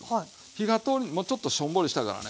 火が通りもうちょっとしょんぼりしたからね